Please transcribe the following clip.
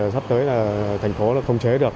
sắp tới là thành phố không chế được